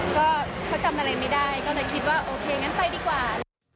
ก็เขาจำอะไรไม่ได้ก็เลยคิดว่าโอเคงั้นไปดีกว่า